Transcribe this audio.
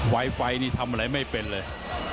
ไฟนี่ทำอะไรไม่เป็นเลย